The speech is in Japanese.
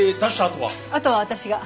あとは私が。